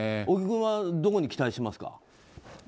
小木君はどこに期待しますか？